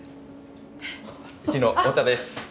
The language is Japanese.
うちの太田です。